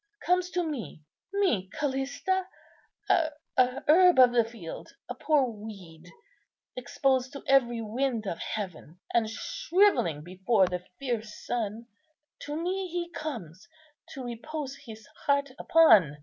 comes to me—me, Callista, a herb of the field, a poor weed, exposed to every wind of heaven, and shrivelling before the fierce sun—to me he comes to repose his heart upon.